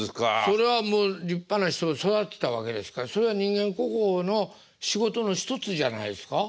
それはもう立派な人を育てたわけですからそれは人間国宝の仕事の一つじゃないですか？